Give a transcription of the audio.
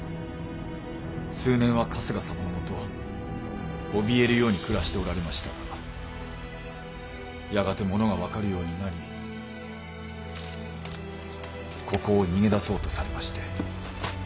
数年は春日様のもとおびえるように暮らしておられましたがやがて物が分かるようになりここを逃げだそうとされまして。